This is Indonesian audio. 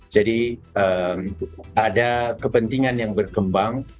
jadi ada kepentingan yang berkembang